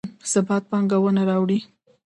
ثبات پانګونه راوړي